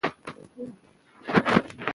سالم عادتونه بدن پیاوړی کوي.